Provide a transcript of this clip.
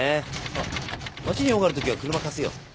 あっ街に用があるときは車貸すよ。